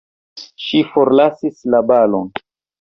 Ŝi forlasis la balon!